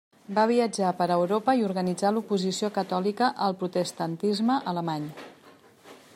Va viatjar per Europa i organitzà l'oposició catòlica al protestantisme alemany.